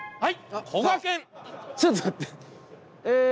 はい。